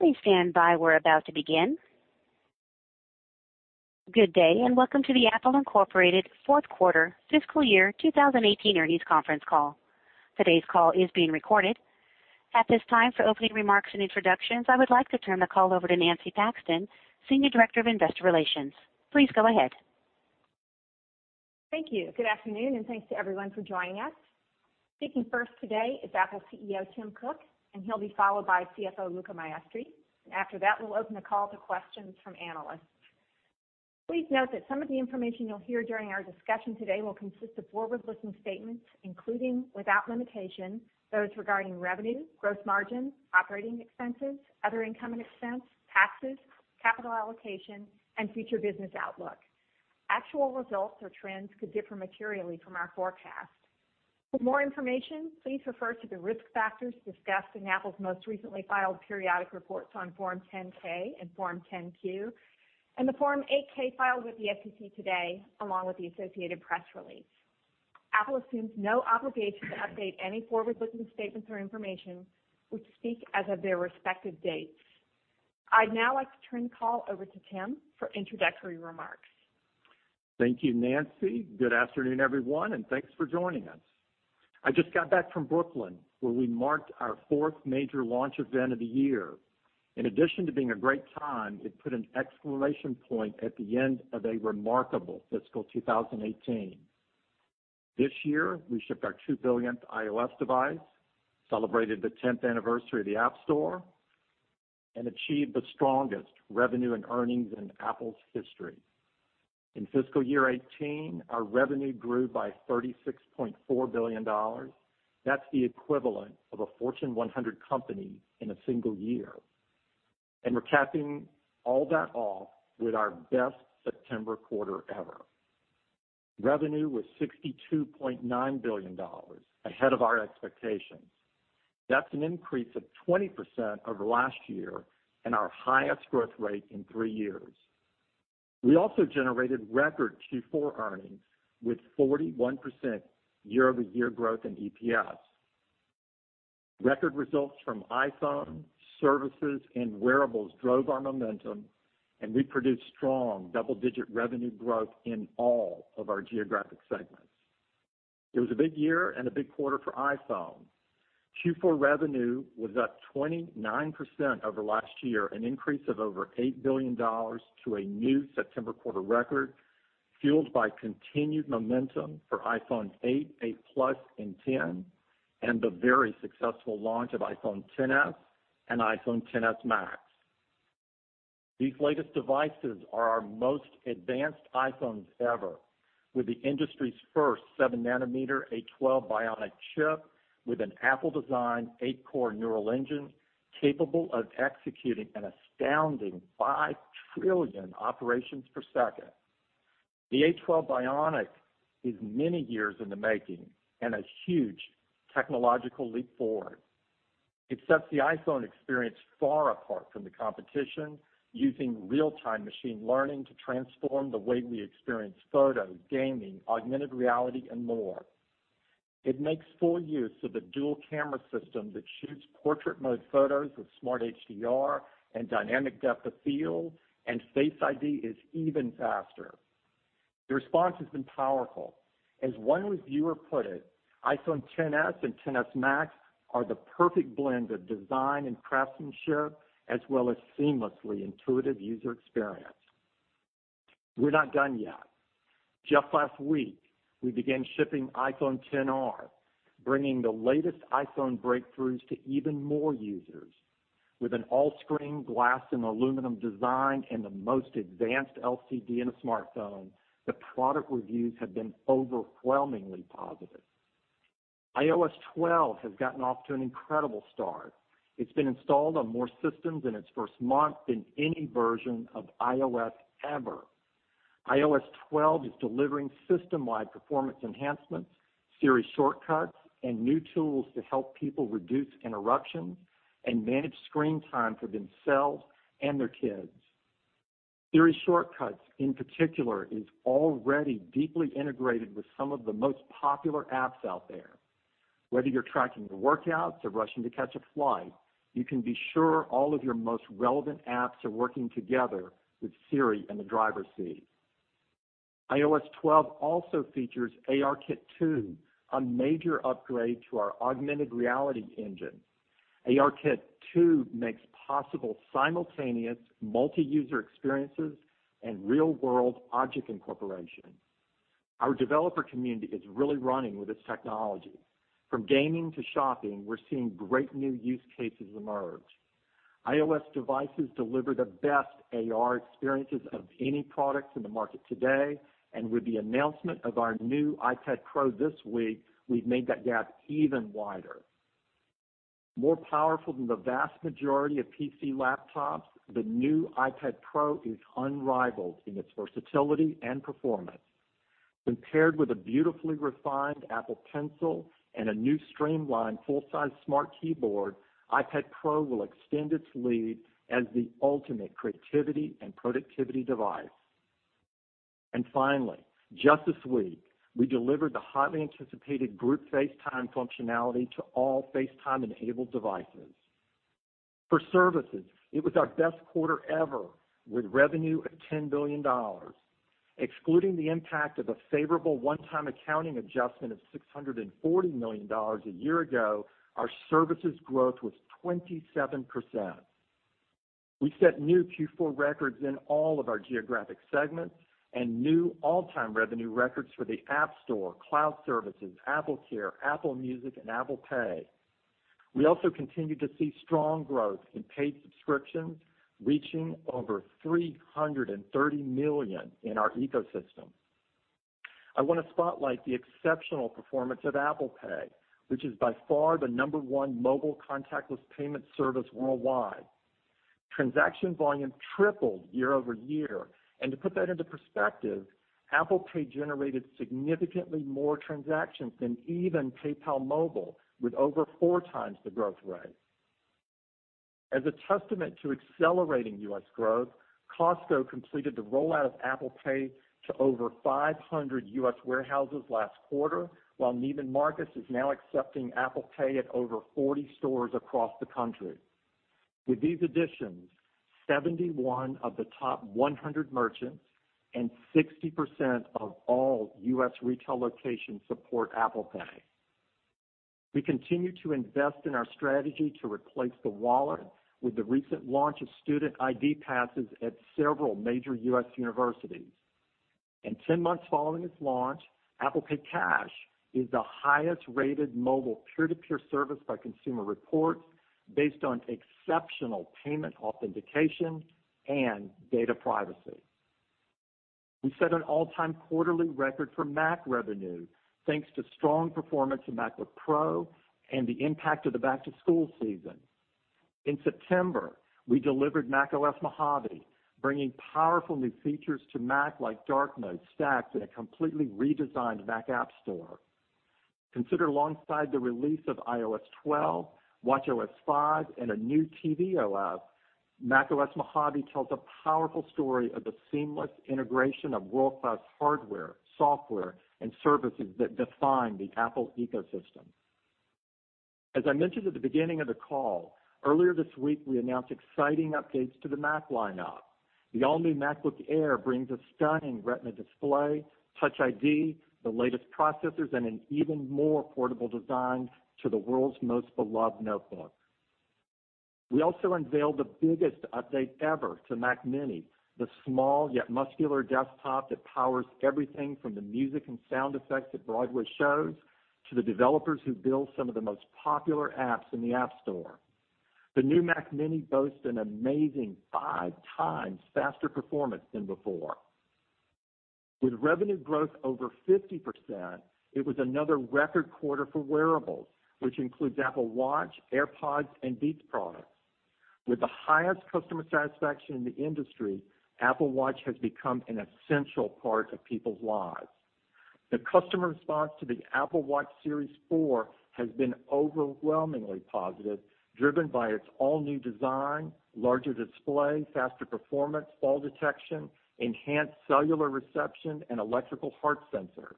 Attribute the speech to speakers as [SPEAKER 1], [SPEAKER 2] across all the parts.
[SPEAKER 1] Please stand by. We're about to begin. Good day, and welcome to the Apple Inc. fourth quarter fiscal year 2018 earnings conference call. Today's call is being recorded. At this time, for opening remarks and introductions, I would like to turn the call over to Nancy Paxton, Senior Director of Investor Relations. Please go ahead.
[SPEAKER 2] Thank you. Good afternoon and thanks to everyone for joining us. Speaking first today is Apple CEO, Tim Cook. He'll be followed by CFO, Luca Maestri. After that, we'll open the call to questions from analysts. Please note that some of the information you'll hear during our discussion today will consist of forward-looking statements, including, without limitation, those regarding revenue, gross margin, operating expenses, other income and expense, taxes, capital allocation, and future business outlook. Actual results or trends could differ materially from our forecast. For more information, please refer to the risk factors discussed in Apple's most recently filed periodic reports on Form 10-K and Form 10-Q and the Form 8-K filed with the SEC today, along with the associated press release. Apple assumes no obligation to update any forward-looking statements or information, which speak as of their respective dates. I'd now like to turn the call over to Tim for introductory remarks.
[SPEAKER 3] Thank you, Nancy. Good afternoon, everyone, and thanks for joining us. I just got back from Brooklyn, where we marked our fourth major launch event of the year. In addition to being a great time, it put an exclamation point at the end of a remarkable fiscal 2018. This year, we shipped our two billionth iOS device, celebrated the 10th anniversary of the App Store, and achieved the strongest revenue and earnings in Apple's history. In fiscal year 2018, our revenue grew by $36.4 billion. That's the equivalent of a Fortune 100 company in a single year. We're capping all that off with our best September quarter ever. Revenue was $62.9 billion, ahead of our expectations. That's an increase of 20% over last year and our highest growth rate in three years. We also generated record Q4 earnings with 41% year-over-year growth in EPS. Record results from iPhone, services, and wearables drove our momentum. We produced strong double-digit revenue growth in all of our geographic segments. It was a big year and a big quarter for iPhone. Q4 revenue was up 29% over last year, an increase of over $8 billion to a new September quarter record, fueled by continued momentum for iPhone 8, iPhone 8 Plus, and iPhone X, and the very successful launch of iPhone XS and iPhone XS Max. These latest devices are our most advanced iPhones ever, with the industry's first 7-nanometer A12 Bionic chip with an Apple-designed 8-core neural engine capable of executing an astounding 5 trillion operations per second. The A12 Bionic is many years in the making and a huge technological leap forward. It sets the iPhone experience far apart from the competition, using real-time machine learning to transform the way we experience photos, gaming, augmented reality, and more. It makes full use of the dual camera system that shoots portrait mode photos with Smart HDR and dynamic depth of field. Face ID is even faster. The response has been powerful. As one reviewer put it, "iPhone XS and iPhone XS Max are the perfect blend of design and craftsmanship as well as seamlessly intuitive user experience." We're not done yet. Just last week, we began shipping iPhone XR, bringing the latest iPhone breakthroughs to even more users. With an all-screen glass and aluminum design and the most advanced LCD in a smartphone, the product reviews have been overwhelmingly positive. iOS 12 has gotten off to an incredible start. It's been installed on more systems in its first month than any version of iOS ever. iOS 12 is delivering system-wide performance enhancements, Siri Shortcuts, and new tools to help people reduce interruptions and manage screen time for themselves and their kids. Siri Shortcuts, in particular, is already deeply integrated with some of the most popular apps out there. Whether you're tracking your workouts or rushing to catch a flight, you can be sure all of your most relevant apps are working together with Siri in the driver's seat. iOS 12 also features ARKit 2, a major upgrade to our augmented reality engine. ARKit 2 makes possible simultaneous multi-user experiences and real-world object incorporation. Our developer community is really running with this technology. From gaming to shopping, we're seeing great new use cases emerge. iOS devices deliver the best AR experiences of any products in the market today. With the announcement of our new iPad Pro this week, we've made that gap even wider. More powerful than the vast majority of PC laptops, the new iPad Pro is unrivaled in its versatility and performance. When paired with a beautifully refined Apple Pencil and a new streamlined full-size Smart Keyboard, iPad Pro will extend its lead as the ultimate creativity and productivity device. Finally, just this week, we delivered the highly anticipated group FaceTime functionality to all FaceTime-enabled devices. For services, it was our best quarter ever with revenue at $10 billion. Excluding the impact of a favorable one-time accounting adjustment of $640 million a year ago, our services growth was 27%. We set new Q4 records in all of our geographic segments and new all-time revenue records for the App Store, cloud services, AppleCare, Apple Music, and Apple Pay. We also continue to see strong growth in paid subscriptions, reaching over $330 million in our ecosystem. I want to spotlight the exceptional performance of Apple Pay, which is by far the number one mobile contactless payment service worldwide. Transaction volume tripled year-over-year. To put that into perspective, Apple Pay generated significantly more transactions than even PayPal Mobile, with over four times the growth rate. As a testament to accelerating U.S. growth, Costco completed the rollout of Apple Pay to over 500 U.S. warehouses last quarter, while Neiman Marcus is now accepting Apple Pay at over 40 stores across the country. With these additions, 71 of the top 100 merchants and 60% of all U.S. retail locations support Apple Pay. We continue to invest in our strategy to replace the wallet with the recent launch of student ID passes at several major U.S. universities. 10 months following its launch, Apple Pay Cash is the highest-rated mobile peer-to-peer service by Consumer Reports based on exceptional payment authentication and data privacy. We set an all-time quarterly record for Mac revenue thanks to strong performance of MacBook Pro and the impact of the back-to-school season. In September, we delivered macOS Mojave, bringing powerful new features to Mac like Dark Mode, Stacks, and a completely redesigned Mac App Store. Considered alongside the release of iOS 12, watchOS 5, and a new tvOS, macOS Mojave tells a powerful story of the seamless integration of world-class hardware, software, and services that define the Apple ecosystem. As I mentioned at the beginning of the call, earlier this week, we announced exciting updates to the Mac lineup. The all-new MacBook Air brings a stunning Retina display, Touch ID, the latest processors, and an even more portable design to the world's most beloved notebook. We also unveiled the biggest update ever to Mac mini, the small yet muscular desktop that powers everything from the music and sound effects at Broadway shows to the developers who build some of the most popular apps in the App Store. The new Mac mini boasts an amazing five times faster performance than before. With revenue growth over 50%, it was another record quarter for wearables, which includes Apple Watch, AirPods, and Beats products. With the highest customer satisfaction in the industry, Apple Watch has become an essential part of people's lives. The customer response to the Apple Watch Series 4 has been overwhelmingly positive, driven by its all-new design, larger display, faster performance, fall detection, enhanced cellular reception, and electrical heart sensor.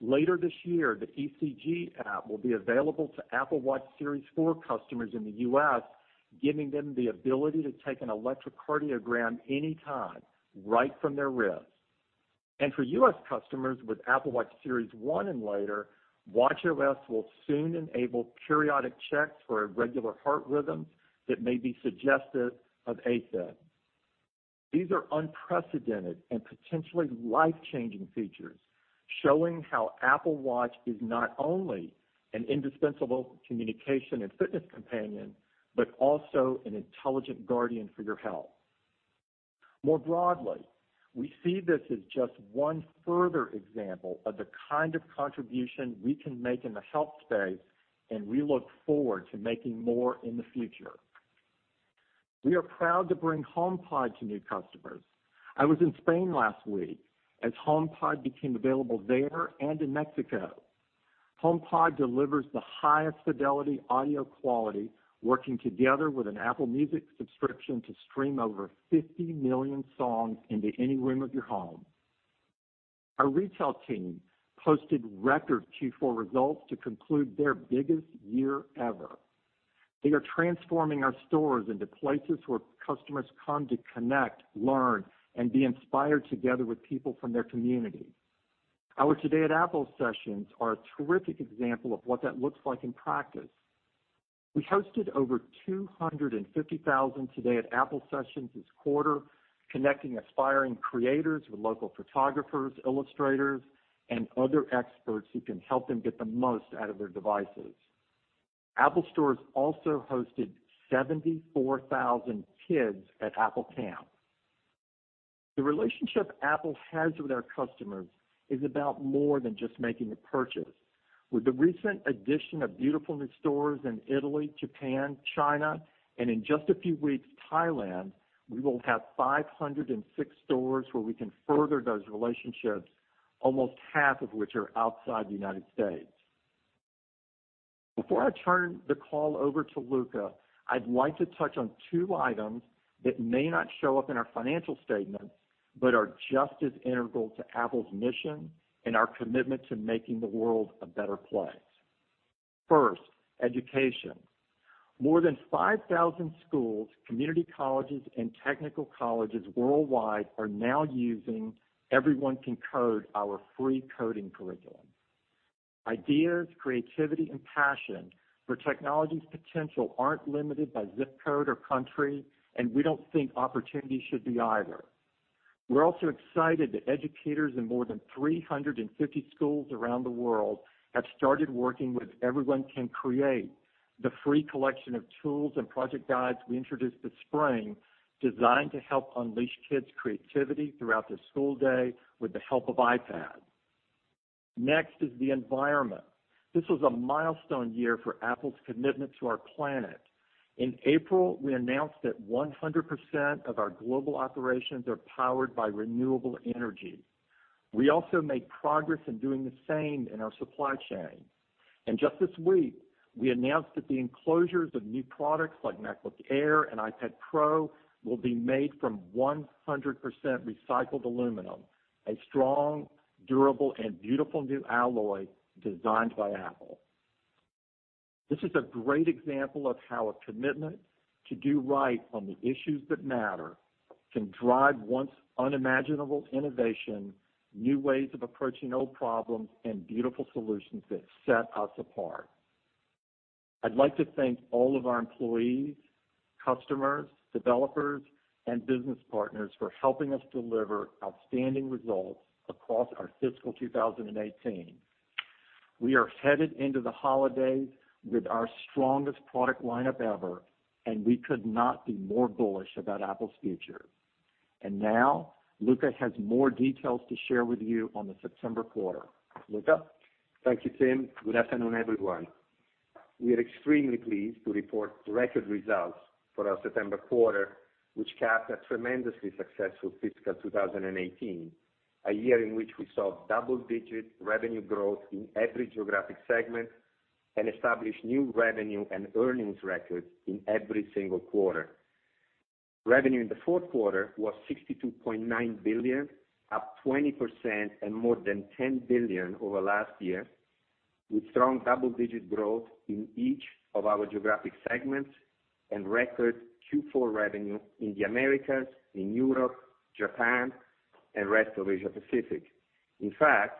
[SPEAKER 3] Later this year, the ECG app will be available to Apple Watch Series 4 customers in the U.S., giving them the ability to take an electrocardiogram anytime right from their wrist. For U.S. customers with Apple Watch Series 1 and later, watchOS will soon enable periodic checks for irregular heart rhythms that may be suggestive of AFib. These are unprecedented and potentially life-changing features, showing how Apple Watch is not only an indispensable communication and fitness companion, but also an intelligent guardian for your health. More broadly, we see this as just one further example of the kind of contribution we can make in the health space, and we look forward to making more in the future. We are proud to bring HomePod to new customers. I was in Spain last week as HomePod became available there and in Mexico. HomePod delivers the highest fidelity audio quality, working together with an Apple Music subscription to stream over 50 million songs into any room of your home. Our retail team posted record Q4 results to conclude their biggest year ever. They are transforming our stores into places where customers come to connect, learn, and be inspired together with people from their community. Our Today at Apple sessions are a terrific example of what that looks like in practice. We hosted over 250,000 Today at Apple sessions this quarter, connecting aspiring creators with local photographers, illustrators, and other experts who can help them get the most out of their devices. Apple Stores also hosted 74,000 kids at Apple Camp. The relationship Apple has with our customers is about more than just making a purchase. With the recent addition of beautiful new stores in Italy, Japan, China, and in just a few weeks, Thailand, we will have 506 stores where we can further those relationships, almost half of which are outside the U.S. Before I turn the call over to Luca, I'd like to touch on two items that may not show up in our financial statements, but are just as integral to Apple's mission and our commitment to making the world a better place. First, education. More than 5,000 schools, community colleges, and technical colleges worldwide are now using Everyone Can Code, our free coding curriculum. Ideas, creativity, and passion for technology's potential aren't limited by ZIP code or country, and we don't think opportunities should be either. We're also excited that educators in more than 350 schools around the world have started working with Everyone Can Create, the free collection of tools and project guides we introduced this spring designed to help unleash kids' creativity throughout the school day with the help of iPad. Next is the environment. This was a milestone year for Apple's commitment to our planet. In April, we announced that 100% of our global operations are powered by renewable energy. We also made progress in doing the same in our supply chain. Just this week, we announced that the enclosures of new products like MacBook Air and iPad Pro will be made from 100% recycled aluminum, a strong, durable, and beautiful new alloy designed by Apple. This is a great example of how a commitment to do right on the issues that matter can drive once unimaginable innovation, new ways of approaching old problems, and beautiful solutions that set us apart. I'd like to thank all of our employees, customers, developers, and business partners for helping us deliver outstanding results across our fiscal 2018. We are headed into the holidays with our strongest product lineup ever, and we could not be more bullish about Apple's future. Now Luca has more details to share with you on the September quarter. Luca?
[SPEAKER 4] Thank you, Tim. Good afternoon, everyone. We are extremely pleased to report record results for our September quarter, which capped a tremendously successful fiscal 2018, a year in which we saw double-digit revenue growth in every geographic segment and established new revenue and earnings records in every single quarter. Revenue in the fourth quarter was $62.9 billion, up 20% and more than $10 billion over last year, with strong double-digit growth in each of our geographic segments and record Q4 revenue in the Americas, in Europe, Japan, and rest of Asia-Pacific. In fact,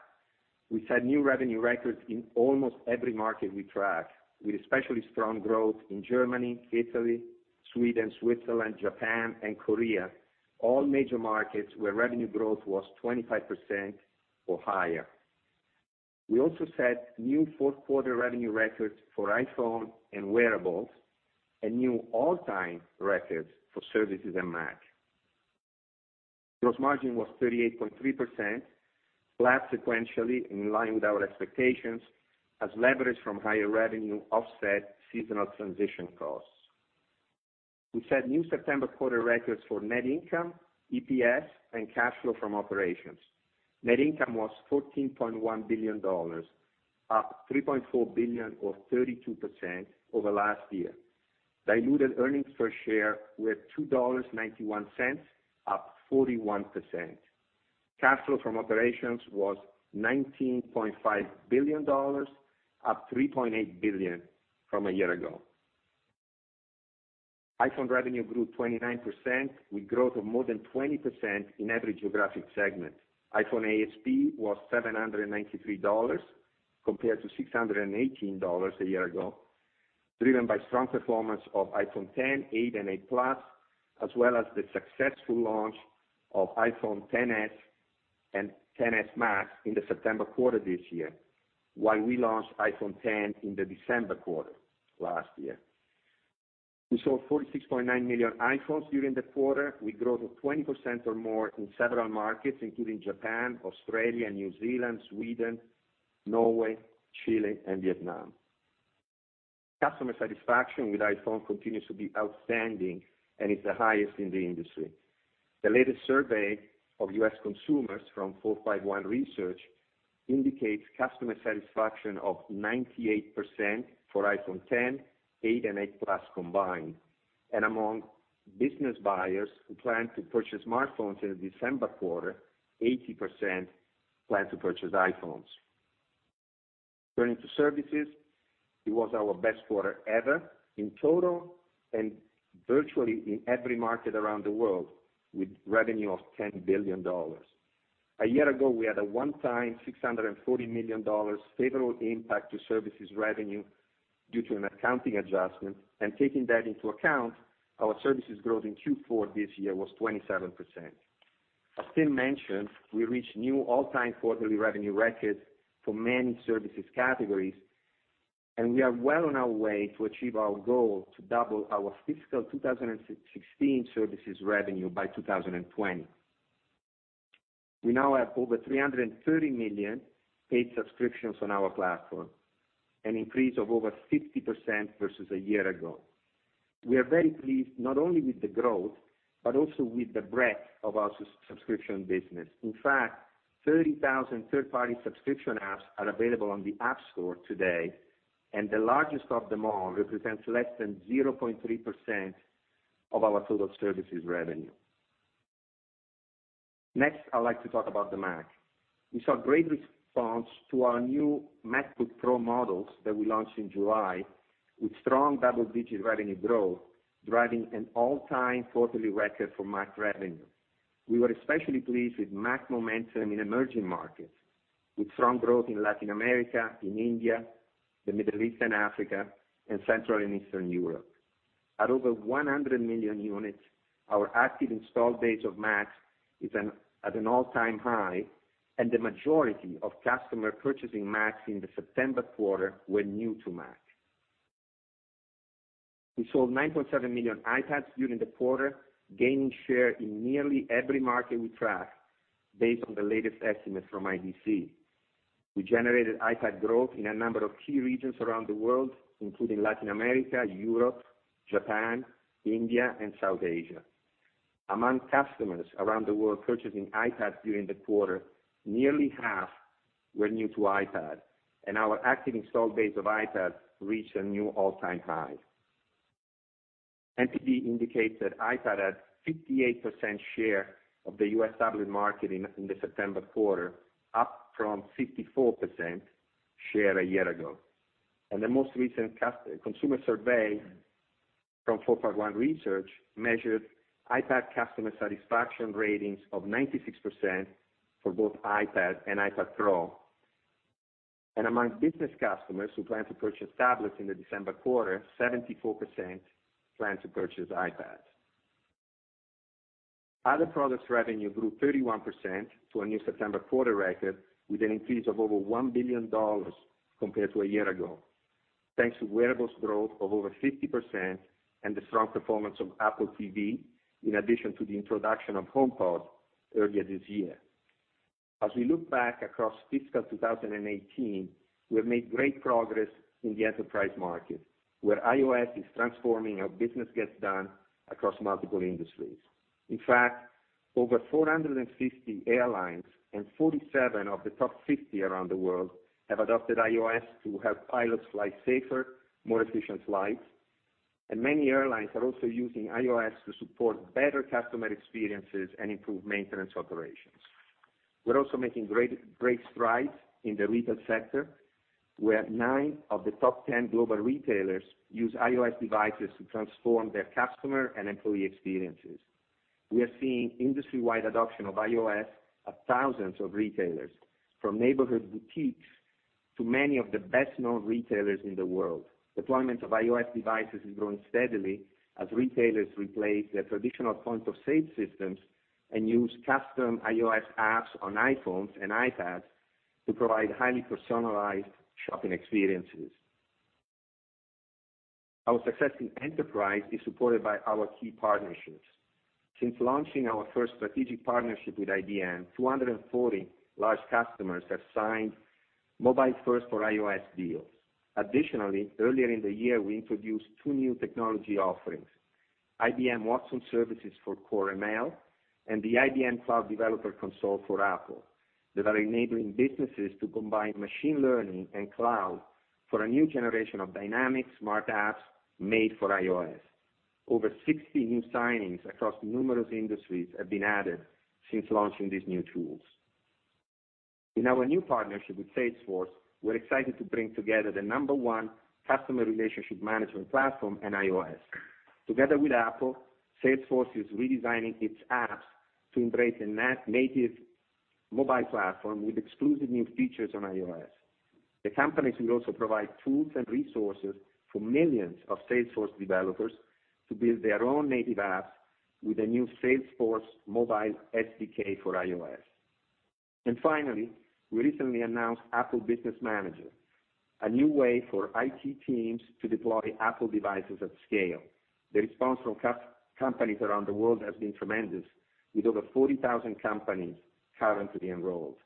[SPEAKER 4] we set new revenue records in almost every market we track, with especially strong growth in Germany, Italy, Sweden, Switzerland, Japan, and Korea, all major markets where revenue growth was 25% or higher. We also set new fourth-quarter revenue records for iPhone and wearables and new all-time records for services and Mac. Gross margin was 38.3%, flat sequentially in line with our expectations as leverage from higher revenue offset seasonal transition costs. We set new September quarter records for net income, EPS, and cash flow from operations. Net income was $14.1 billion, up $3.4 billion or 32% over last year. Diluted earnings per share were $2.91, up 41%. Cash flow from operations was $19.5 billion, up $3.8 billion from a year ago. iPhone revenue grew 29% with growth of more than 20% in every geographic segment. iPhone ASP was $793 compared to $618 a year ago, driven by strong performance of iPhone X, 8, and 8 Plus, as well as the successful launch of iPhone XS and iPhone XS Max in the September quarter this year, while we launched iPhone X in the December quarter last year. We saw 46.9 million iPhones during the quarter with growth of 20% or more in several markets, including Japan, Australia, New Zealand, Sweden, Norway, Chile, and Vietnam. Customer satisfaction with iPhone continues to be outstanding and is the highest in the industry. The latest survey of U.S. consumers from 451 Research indicates customer satisfaction of 98% for iPhone X, 8, and 8 Plus combined. Among business buyers who plan to purchase smartphones in the December quarter, 80% plan to purchase iPhones. Turning to services, it was our best quarter ever in total and virtually in every market around the world with revenue of $10 billion. A year ago, we had a one-time $640 million favorable impact to services revenue due to an accounting adjustment, and taking that into account, our services growth in Q4 this year was 27%. As Tim mentioned, we reached new all-time quarterly revenue records for many services categories, and we are well on our way to achieve our goal to double our fiscal 2016 services revenue by 2020. We now have over 330 million paid subscriptions on our platform, an increase of over 50% versus a year ago. We are very pleased not only with the growth, but also with the breadth of our subscription business. In fact, 30,000 third-party subscription apps are available on the App Store today, and the largest of them all represents less than 0.3% of our total services revenue. Next, I'd like to talk about the Mac. We saw great response to our new MacBook Pro models that we launched in July with strong double-digit revenue growth driving an all-time quarterly record for Mac revenue. We were especially pleased with Mac momentum in emerging markets, with strong growth in Latin America, India, the Middle East and Africa, and Central and Eastern Europe. At over 100 million units, our active installed base of Macs is at an all-time high, and the majority of customer purchasing Macs in the September quarter were new to Mac. We sold 9.7 million iPads during the quarter, gaining share in nearly every market we track based on the latest estimate from IDC. We generated iPad growth in a number of key regions around the world, including Latin America, Europe, Japan, India, and South Asia. Among customers around the world purchasing iPads during the quarter, nearly half were new to iPad, and our active installed base of iPads reached a new all-time high. NPD indicates that iPad had 58% share of the U.S. tablet market in the September quarter, up from 54% share a year ago. The most recent consumer survey from 451 Research measured iPad customer satisfaction ratings of 96% for both iPad and iPad Pro. Among business customers who plan to purchase tablets in the December quarter, 74% plan to purchase iPads. Other products revenue grew 31% to a new September quarter record with an increase of over $1 billion compared to a year ago, thanks to wearables growth of over 50% and the strong performance of Apple TV, in addition to the introduction of HomePod earlier this year. As we look back across fiscal 2018, we have made great progress in the enterprise market where iOS is transforming how business gets done across multiple industries. In fact, over 450 airlines and 47 of the top 50 around the world have adopted iOS to help pilots fly safer, more efficient flights. Many airlines are also using iOS to support better customer experiences and improve maintenance operations. We're also making great strides in the retail sector, where nine of the top 10 global retailers use iOS devices to transform their customer and employee experiences. We are seeing industry-wide adoption of iOS at thousands of retailers, from neighborhood boutiques to many of the best-known retailers in the world. Deployment of iOS devices is growing steadily as retailers replace their traditional point-of-sale systems and use custom iOS apps on iPhones and iPads to provide highly personalized shopping experiences. Our success in enterprise is supported by our key partnerships. Since launching our first strategic partnership with IBM, 240 large customers have signed MobileFirst for iOS deals. Additionally, earlier in the year, we introduced two new technology offerings, IBM Watson Services for Core ML and the IBM Cloud Developer Console for Apple, that are enabling businesses to combine machine learning and cloud for a new generation of dynamic smart apps made for iOS. Over 60 new signings across numerous industries have been added since launching these new tools. In our new partnership with Salesforce, we're excited to bring together the number one customer relationship management platform and iOS. Together with Apple, Salesforce is redesigning its apps to embrace a native mobile platform with exclusive new features on iOS. The companies will also provide tools and resources for millions of Salesforce developers to build their own native apps with the new Salesforce Mobile SDK for iOS. Finally, we recently announced Apple Business Manager, a new way for IT teams to deploy Apple devices at scale. The response from companies around the world has been tremendous, with over 40,000 companies currently enrolled.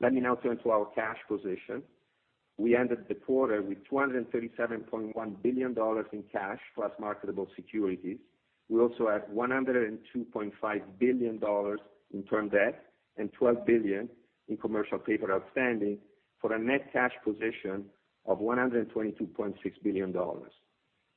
[SPEAKER 4] Let me now turn to our cash position. We ended the quarter with $237.1 billion in cash plus marketable securities. We also have $102.5 billion in term debt and $12 billion in commercial paper outstanding for a net cash position of $122.6 billion.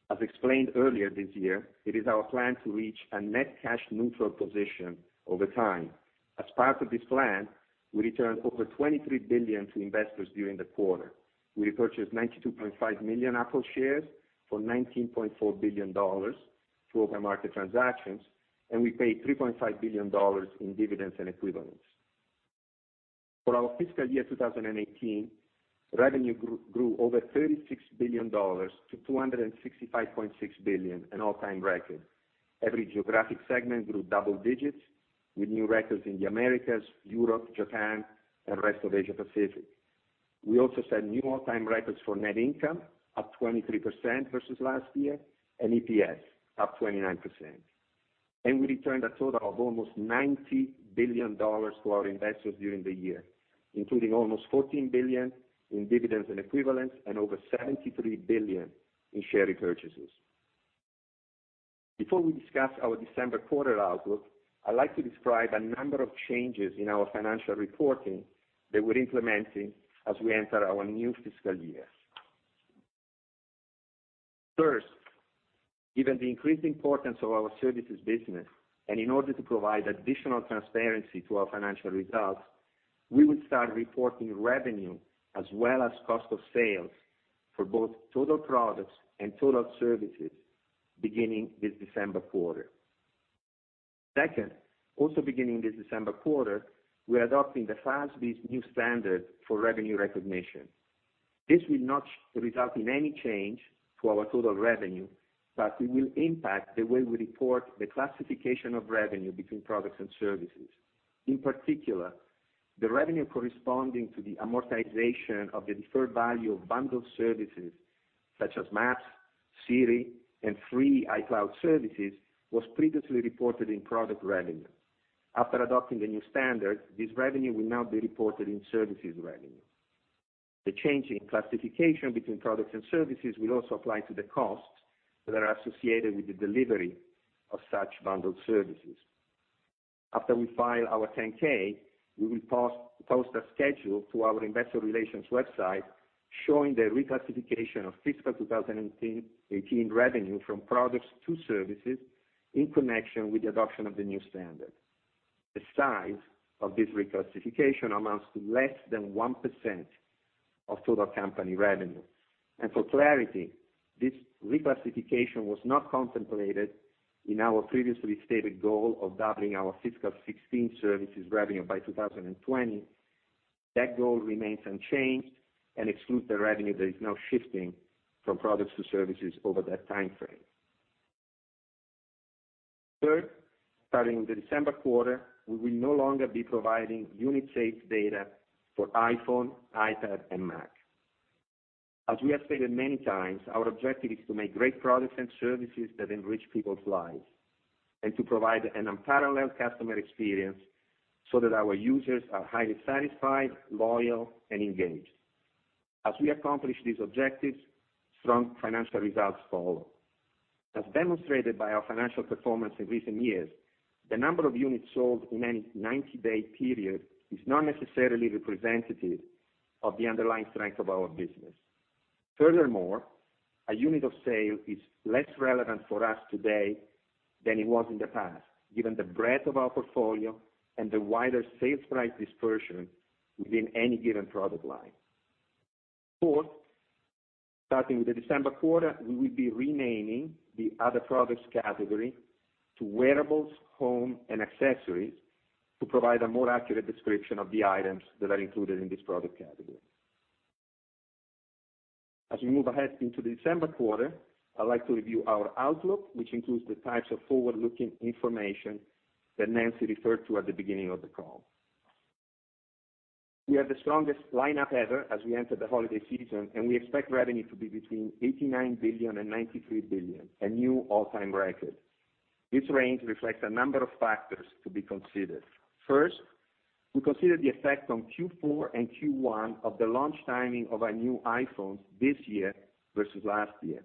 [SPEAKER 4] As explained earlier this year, it is our plan to reach a net cash neutral position over time. As part of this plan, we returned over $23 billion to investors during the quarter. We repurchased 92.5 million Apple shares for $19.4 billion through open market transactions, and we paid $3.5 billion in dividends and equivalents. For our fiscal year 2018, revenue grew over $36 billion to $265.6 billion, an all-time record. Every geographic segment grew double digits with new records in the Americas, Europe, Japan, and rest of Asia Pacific. We also set new all-time records for net income, up 23% versus last year, and EPS, up 29%. We returned a total of almost $90 billion to our investors during the year, including almost $14 billion in dividends and equivalents and over $73 billion in share repurchases. Before we discuss our December quarter outlook, I'd like to describe a number of changes in our financial reporting that we're implementing as we enter our new fiscal year. First, given the increased importance of our services business and in order to provide additional transparency to our financial results, we will start reporting revenue as well as cost of sales for both total products and total services beginning this December quarter. Second, also beginning this December quarter, we're adopting the FASB's new standard for revenue recognition. This will not result in any change to our total revenue, but it will impact the way we report the classification of revenue between products and services. In particular, the revenue corresponding to the amortization of the deferred value of bundled services such as Maps, Siri, and free iCloud services, was previously reported in product revenue. After adopting the new standard, this revenue will now be reported in services revenue. The change in classification between products and services will also apply to the costs that are associated with the delivery of such bundled services. After we file our 10-K, we will post a schedule to our investor relations website showing the reclassification of fiscal 2018 revenue from products to services in connection with the adoption of the new standard. The size of this reclassification amounts to less than 1% of total company revenue. For clarity, this reclassification was not contemplated in our previously stated goal of doubling our fiscal 2016 services revenue by 2020. That goal remains unchanged and excludes the revenue that is now shifting from products to services over that timeframe. Third, starting the December quarter, we will no longer be providing unit sales data for iPhone, iPad, and Mac. As we have stated many times, our objective is to make great products and services that enrich people's lives and to provide an unparalleled customer experience so that our users are highly satisfied, loyal, and engaged. As we accomplish these objectives, strong financial results follow. As demonstrated by our financial performance in recent years, the number of units sold in any 90-day period is not necessarily representative of the underlying strength of our business. Furthermore, a unit of sale is less relevant for us today than it was in the past, given the breadth of our portfolio and the wider sales price dispersion within any given product line. Fourth, starting with the December quarter, we will be renaming the other products category to wearables, home, and accessories to provide a more accurate description of the items that are included in this product category. As we move ahead into the December quarter, I'd like to review our outlook, which includes the types of forward-looking information that Nancy Paxton referred to at the beginning of the call. We have the strongest lineup ever as we enter the holiday season, and we expect revenue to be between $89 billion and $93 billion, a new all-time record. This range reflects a number of factors to be considered. First, we consider the effect on Q4 and Q1 of the launch timing of our new iPhones this year versus last year.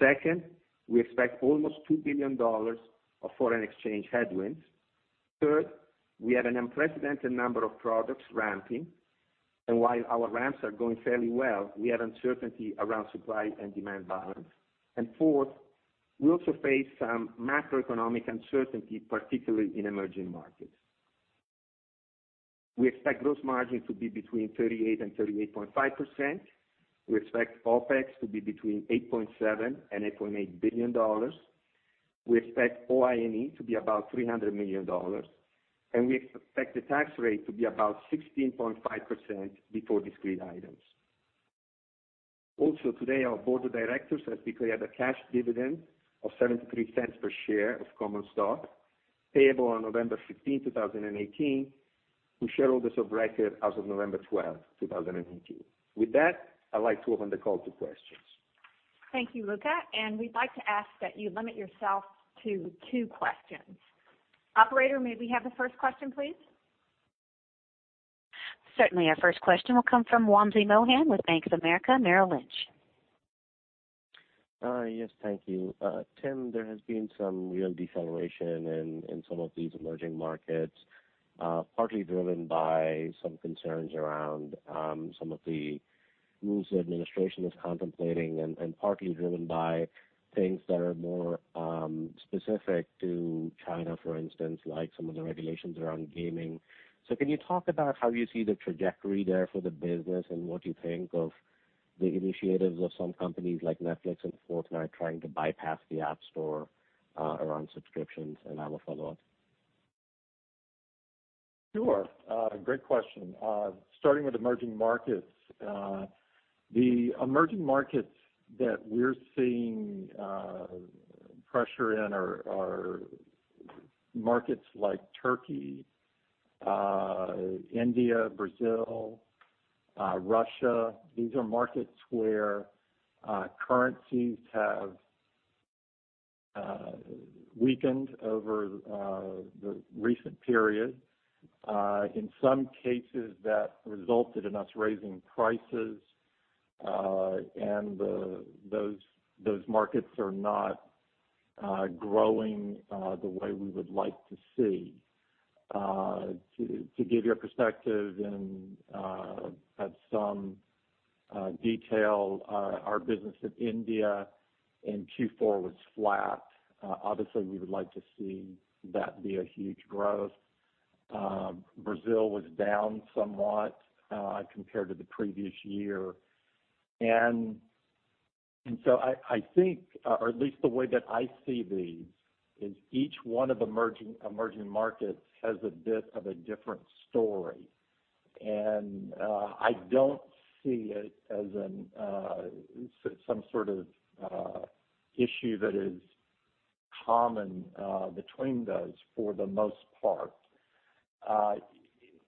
[SPEAKER 4] Second, we expect almost $2 billion of foreign exchange headwinds. Third, we have an unprecedented number of products ramping, and while our ramps are going fairly well, we have uncertainty around supply and demand balance. Fourth, we also face some macroeconomic uncertainty, particularly in emerging markets. We expect gross margins to be between 38% and 38.5%. We expect OPEX to be between $8.7 billion and $8.8 billion. We expect OIE to be about $300 million. We expect the tax rate to be about 16.5% before discrete items. Also, today, our board of directors has declared a cash dividend of $0.73 per share of common stock payable on November 16th, 2018, with shareholders of record as of November 12th, 2018. With that, I'd like to open the call to questions.
[SPEAKER 2] Thank you, Luca Maestri. We'd like to ask that you limit yourself to two questions. Operator, may we have the first question, please?
[SPEAKER 1] Certainly. Our first question will come from Wamsi Mohan with Bank of America Merrill Lynch.
[SPEAKER 5] Yes, thank you. Tim, there has been some real deceleration in some of these emerging markets, partly driven by some concerns around some of the rules the administration is contemplating and partly driven by things that are more specific to China, for instance, like some of the regulations around gaming. Can you talk about how you see the trajectory there for the business and what you think of the initiatives of some companies like Netflix and Fortnite trying to bypass the App Store around subscriptions? I will follow up.
[SPEAKER 3] Sure. Great question. Starting with emerging markets. The emerging markets that we're seeing pressure in are markets like Turkey India, Brazil, Russia. These are markets where currencies have weakened over the recent period. In some cases, that resulted in us raising prices, and those markets are not growing the way we would like to see. To give you a perspective and add some detail, our business in India in Q4 was flat. Obviously, we would like to see that be a huge growth. Brazil was down somewhat compared to the previous year. I think, or at least the way that I see these, is each one of the emerging markets has a bit of a different story. I don't see it as some sort of issue that is common between those, for the most part.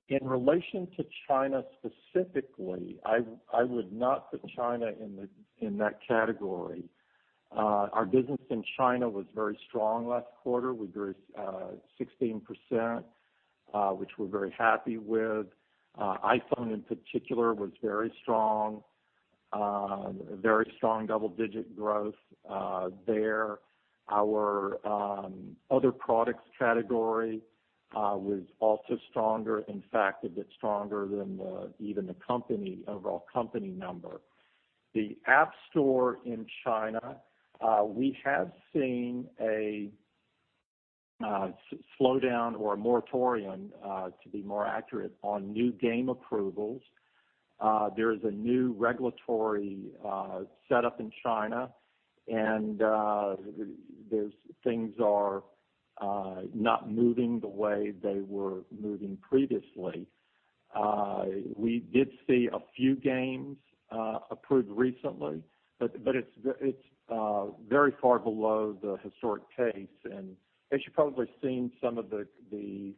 [SPEAKER 3] In relation to China specifically, I would not put China in that category. Our business in China was very strong last quarter. We grew 16%, which we're very happy with. iPhone in particular was very strong. Very strong double-digit growth there. Our other products category was also stronger. In fact, a bit stronger than even the overall company number. The App Store in China, we have seen a slowdown or a moratorium, to be more accurate, on new game approvals. There is a new regulatory setup in China, and things are not moving the way they were moving previously. We did see a few games approved recently, but it's very far below the historic pace, and as you've probably seen, some of the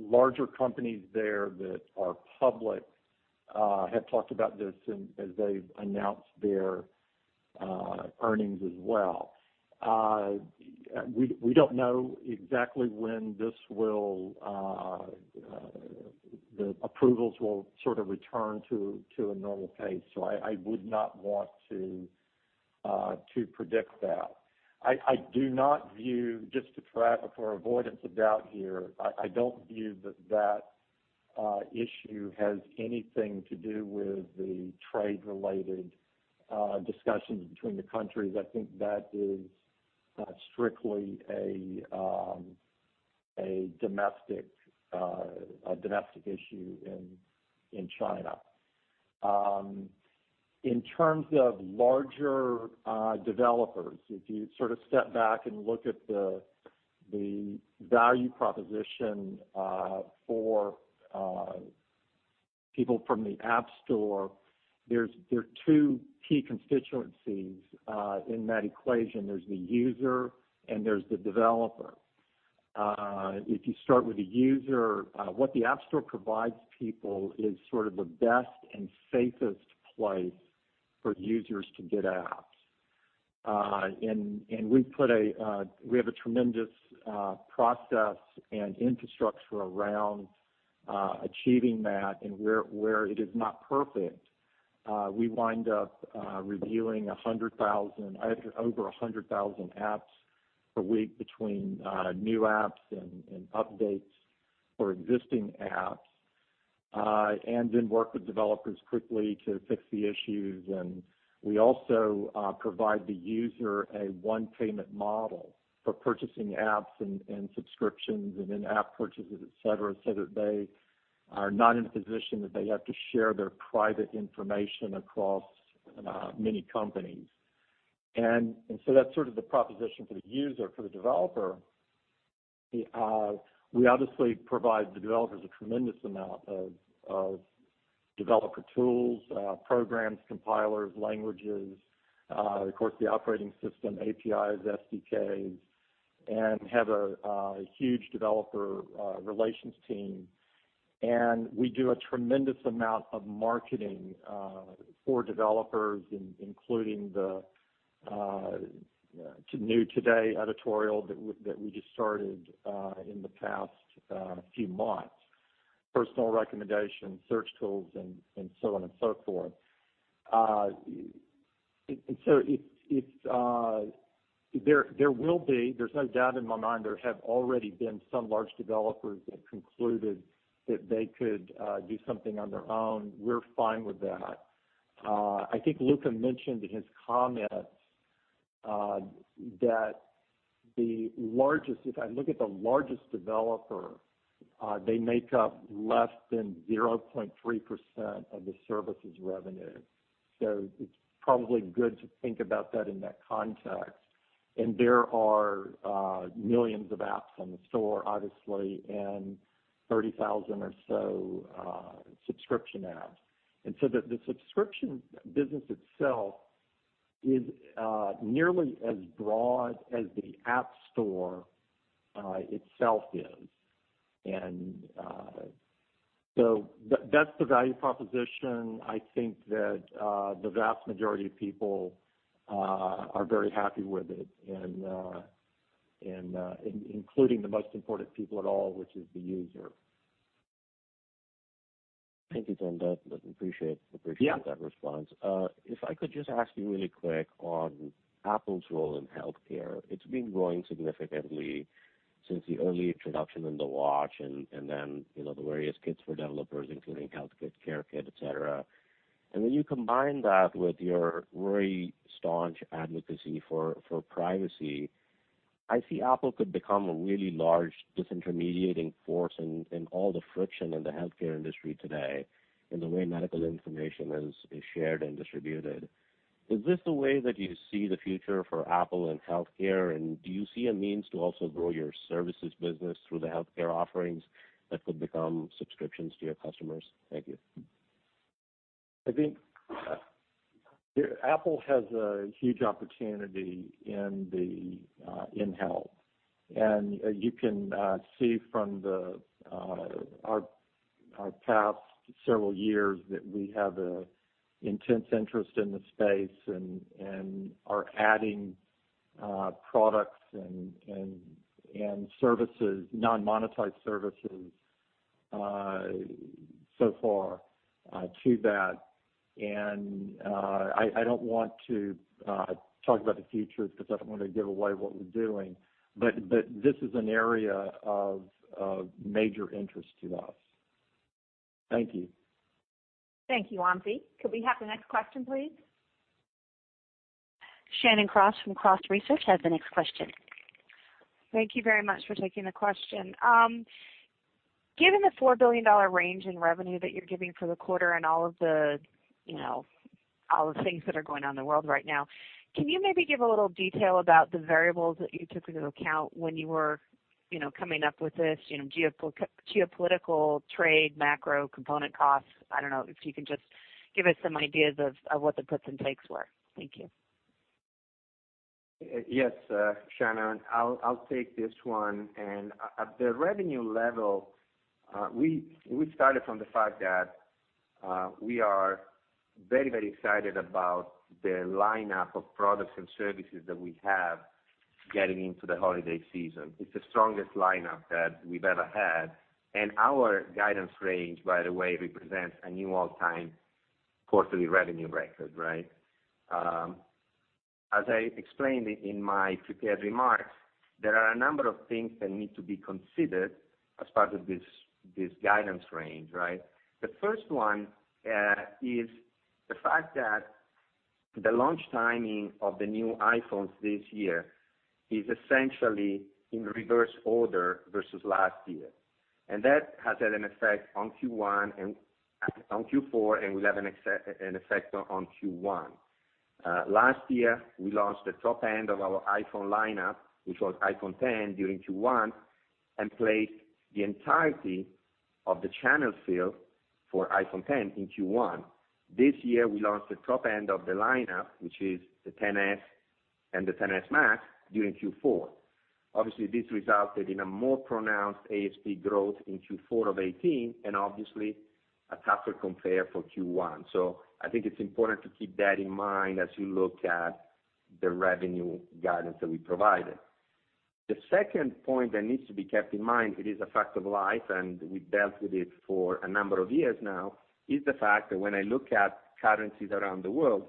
[SPEAKER 3] larger companies there that are public have talked about this as they've announced their earnings as well. We don't know exactly when the approvals will sort of return to a normal pace. I would not want to predict that. Just for avoidance of doubt here, I don't view that that issue has anything to do with the trade-related discussions between the countries. I think that is strictly a domestic issue in China. In terms of larger developers, if you sort of step back and look at the value proposition for people from the App Store, there's two key constituencies in that equation. There's the user and there's the developer. If you start with the user, what the App Store provides people is sort of the best and safest place for users to get apps. We have a tremendous process and infrastructure around achieving that. Where it is not perfect, we wind up reviewing over 100,000 apps a week between new apps and updates for existing apps, and then work with developers quickly to fix the issues. We also provide the user a one-payment model for purchasing apps and subscriptions and in-app purchases, et cetera, so that they are not in a position that they have to share their private information across many companies. That's sort of the proposition for the user. For the developer, we obviously provide the developers a tremendous amount of developer tools, programs, compilers, languages, of course, the operating system, APIs, SDKs, and have a huge developer relations team. We do a tremendous amount of marketing for developers, including the New Today editorial that we just started in the past few months, personal recommendation, search tools, and so on and so forth. There will be, there's no doubt in my mind, there have already been some large developers that concluded that they could do something on their own. We're fine with that. I think Luca mentioned in his comments that if I look at the largest developer, they make up less than 0.3% of the services revenue. It's probably good to think about that in that context. There are millions of apps on the store, obviously, and 30,000 or so subscription apps. The subscription business itself is nearly as broad as the App Store itself is. That's the value proposition. I think that the vast majority of people are very happy with it and including the most important people at all, which is the user.
[SPEAKER 5] Thank you, Tim.
[SPEAKER 3] Yeah
[SPEAKER 5] that response. If I could just ask you really quick on Apple's role in healthcare. It's been growing significantly since the early introduction in the Watch and then, the various kits for developers, including HealthKit, CareKit, et cetera. When you combine that with your very staunch advocacy for privacy, I see Apple could become a really large disintermediating force in all the friction in the healthcare industry today, in the way medical information is shared and distributed. Is this the way that you see the future for Apple and healthcare? Do you see a means to also grow your services business through the healthcare offerings that could become subscriptions to your customers? Thank you.
[SPEAKER 3] I think Apple has a huge opportunity in health. You can see from our past several years that we have an intense interest in the space and are adding products and non-monetized services so far to that. I don't want to talk about the future because I don't want to give away what we're doing, but this is an area of major interest to us. Thank you.
[SPEAKER 2] Thank you, Wamsi. Could we have the next question, please?
[SPEAKER 1] Shannon Cross from Cross Research has the next question.
[SPEAKER 6] Thank you very much for taking the question. Given the $4 billion range in revenue that you're giving for the quarter and all of the things that are going on in the world right now, can you maybe give a little detail about the variables that you took into account when you were coming up with this, geopolitical trade, macro component costs? I don't know if you can just give us some ideas of what the puts and takes were. Thank you.
[SPEAKER 4] Yes, Shannon, I'll take this one. At the revenue level, we started from the fact that we are very excited about the lineup of products and services that we have getting into the holiday season. It's the strongest lineup that we've ever had. Our guidance range, by the way, represents a new all-time quarterly revenue record, right? As I explained in my prepared remarks, there are a number of things that need to be considered as part of this guidance range, right? The first one is the fact that the launch timing of the new iPhones this year is essentially in reverse order versus last year. That has had an effect on Q4 and will have an effect on Q1. Last year, we launched the top end of our iPhone lineup, which was iPhone X, during Q1, and placed the entirety of the channel fill for iPhone X in Q1. This year, we launched the top end of the lineup, which is the XS and the XS Max, during Q4. Obviously, this resulted in a more pronounced ASP growth in Q4 of 2018, and obviously a tougher compare for Q1. I think it's important to keep that in mind as you look at the revenue guidance that we provided. The second point that needs to be kept in mind, it is a fact of life, and we've dealt with it for a number of years now, is the fact that when I look at currencies around the world,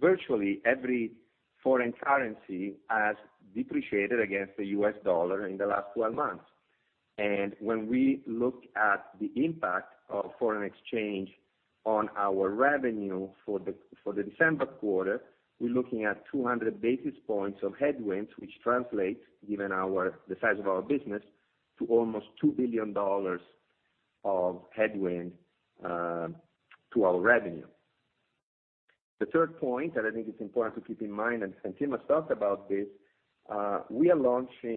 [SPEAKER 4] virtually every foreign currency has depreciated against the U.S. dollar in the last 12 months. When we look at the impact of foreign exchange on our revenue for the December quarter, we're looking at 200 basis points of headwinds, which translates, given the size of our business, to almost $2 billion of headwind to our revenue. The third point that I think is important to keep in mind, Tim has talked about this, in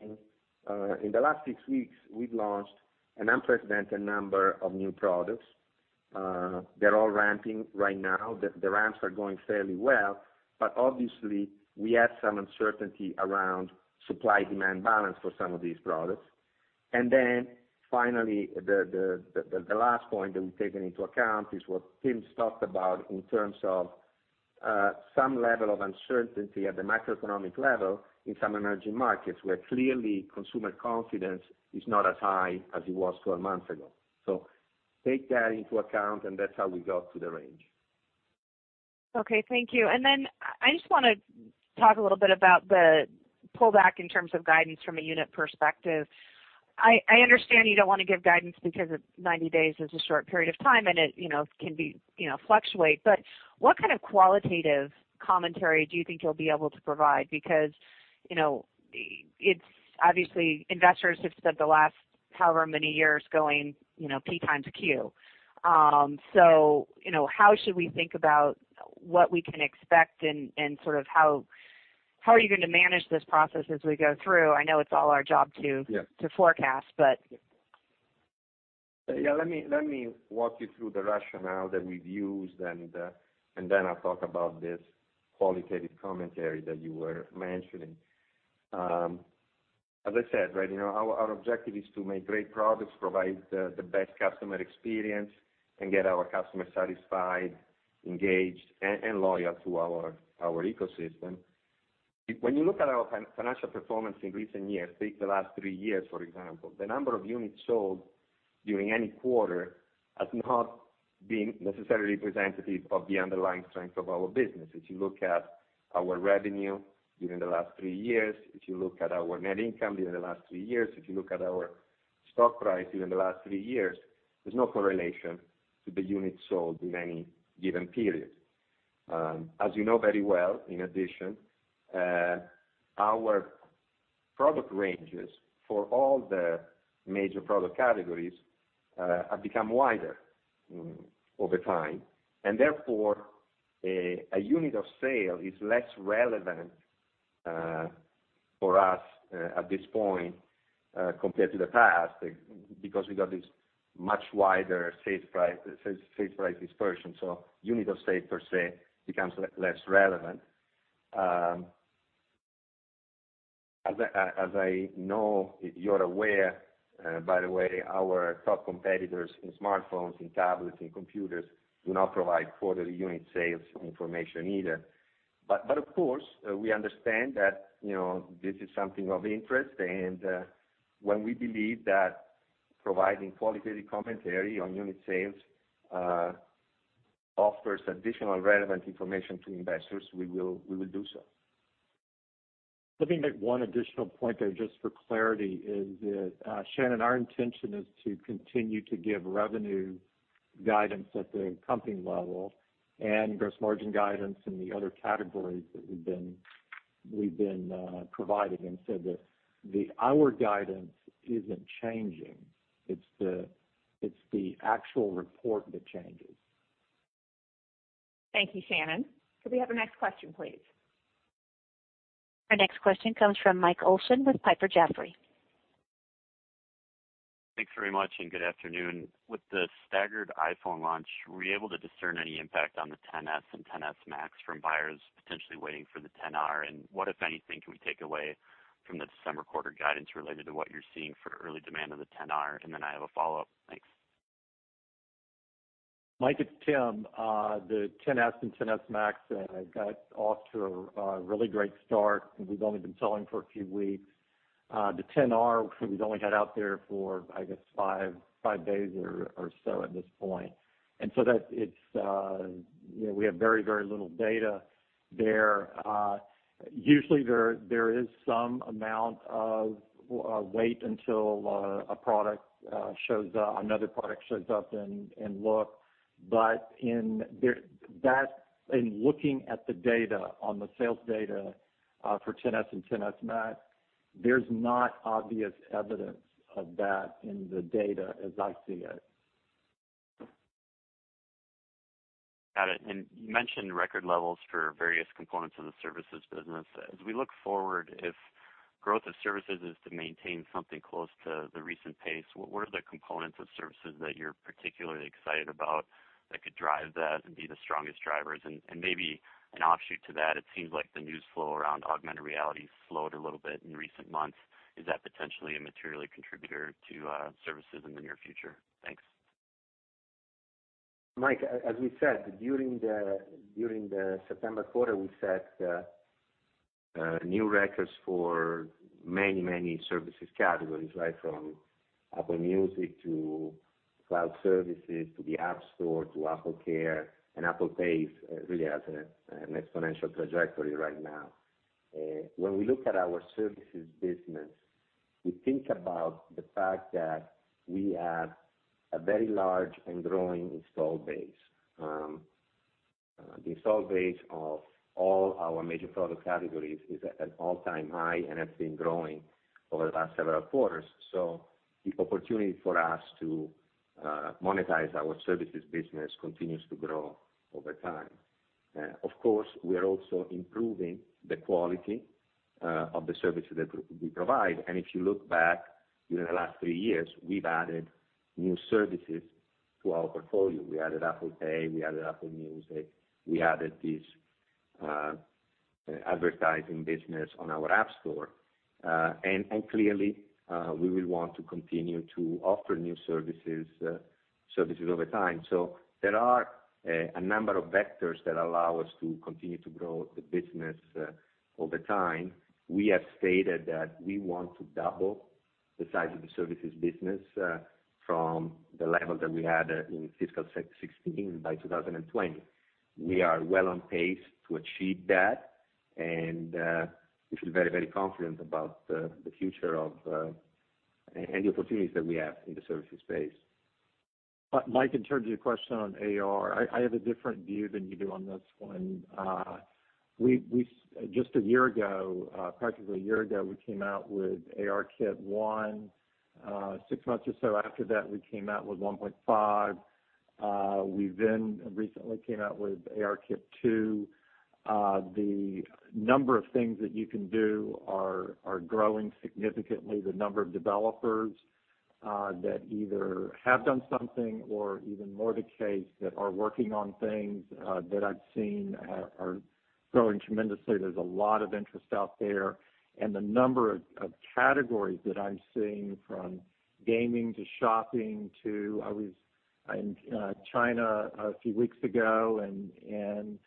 [SPEAKER 4] the last six weeks, we've launched an unprecedented number of new products. They're all ramping right now. The ramps are going fairly well. Obviously, we have some uncertainty around supply-demand balance for some of these products. Finally, the last point that we've taken into account is what Tim's talked about in terms of some level of uncertainty at the macroeconomic level in some emerging markets, where clearly consumer confidence is not as high as it was 12 months ago. Take that into account, that's how we got to the range.
[SPEAKER 6] Okay, thank you. I just want to talk a little bit about the pullback in terms of guidance from a unit perspective. I understand you don't want to give guidance because 90 days is a short period of time, and it can fluctuate. What kind of qualitative commentary do you think you'll be able to provide? Because obviously, investors have spent the last however many years going P times Q. How should we think about what we can expect, and how are you going to manage this process as we go through? I know it's all our job to-
[SPEAKER 4] Yeah
[SPEAKER 6] to forecast.
[SPEAKER 4] Yeah. Let me walk you through the rationale that we've used, then I'll talk about this qualitative commentary that you were mentioning. As I said, our objective is to make great products, provide the best customer experience, and get our customers satisfied, engaged, and loyal to our ecosystem. When you look at our financial performance in recent years, take the last three years, for example, the number of units sold during any quarter has not been necessarily representative of the underlying strength of our business. If you look at our revenue during the last three years, if you look at our net income during the last three years, if you look at our stock price during the last three years, there's no correlation to the units sold in any given period. As you know very well, in addition, our product ranges for all the major product categories have become wider over time, therefore, a unit of sale is less relevant for us at this point compared to the past because we got this much wider sales price dispersion. Unit of sale per se, becomes less relevant. As I know you're aware, by the way, our top competitors in smartphones, in tablets, in computers do not provide quarterly unit sales information either. Of course, we understand that this is something of interest, and when we believe that providing qualitative commentary on unit sales offers additional relevant information to investors, we will do so.
[SPEAKER 3] Let me make one additional point there just for clarity is that, Shannon, our intention is to continue to give revenue guidance at the company level and gross margin guidance in the other categories that we've been providing said that our guidance isn't changing. It's the actual report that changes.
[SPEAKER 2] Thank you, Shannon. Could we have our next question, please?
[SPEAKER 1] Our next question comes from Michael Olson with Piper Jaffray.
[SPEAKER 7] Thanks very much. Good afternoon. With the staggered iPhone launch, were you able to discern any impact on the XS and XS Max from buyers potentially waiting for the XR? What, if anything, can we take away from the December quarter guidance related to what you're seeing for early demand of the XR? Then I have a follow-up. Thanks.
[SPEAKER 3] Mike, it's Tim. The XS and XS Max got off to a really great start. We've only been selling for a few weeks. The XR, we've only had out there for, I guess, five days or so at this point. We have very little data there. Usually, there is some amount of wait until another product shows up and look. In looking at the data, on the sales data for XS and XS Max, there's not obvious evidence of that in the data as I see it.
[SPEAKER 7] Got it. You mentioned record levels for various components of the services business. As we look forward, if growth of services is to maintain something close to the recent pace, what are the components of services that you're particularly excited about that could drive that and be the strongest drivers? Maybe an offshoot to that, it seems like the news flow around augmented reality slowed a little bit in recent months. Is that potentially a material contributor to services in the near future? Thanks.
[SPEAKER 4] Mike, as we said, during the September quarter, we set new records for many services categories. From Apple Music to cloud services, to the App Store, to AppleCare, and Apple Pay really has an exponential trajectory right now. When we look at our services business, we think about the fact that we have a very large and growing install base. The install base of all our major product categories is at an all-time high and has been growing over the last several quarters. The opportunity for us to monetize our services business continues to grow over time. Of course, we are also improving the quality of the services that we provide. If you look back during the last three years, we've added new services to our portfolio. We added Apple Pay, we added Apple Music, we added this advertising business on our App Store. Clearly, we will want to continue to offer new services over time. There are a number of vectors that allow us to continue to grow the business over time. We have stated that we want to double the size of the services business from the level that we had in fiscal 2016 by 2020. We are well on pace to achieve that, and we feel very confident about the future of any opportunities that we have in the services space.
[SPEAKER 3] Mike, in terms of your question on AR, I have a different view than you do on this one. Just a year ago, practically a year ago, we came out with ARKit 1. Six months or so after that, we came out with 1.5. We recently came out with ARKit 2. The number of things that you can do are growing significantly. The number of developers that either have done something or even more the case, that are working on things that I've seen are growing tremendously. There's a lot of interest out there, the number of categories that I'm seeing from gaming to shopping to-- I was in China a few weeks ago and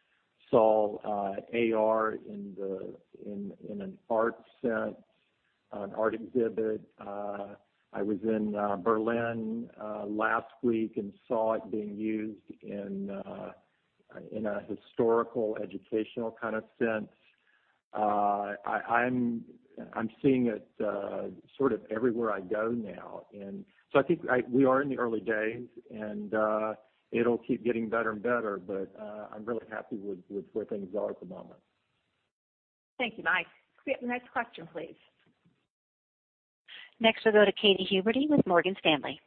[SPEAKER 3] saw AR in an art sense, an art exhibit. I was in Berlin last week and saw it being used in a historical, educational kind of sense. I'm seeing it sort of everywhere I go now. I think we are in the early days, it'll keep getting better and better, but I'm really happy with where things are at the moment.
[SPEAKER 2] Thank you, Mike. Could we have the next question, please?
[SPEAKER 1] Next, we'll go to Katy Huberty with Morgan Stanley.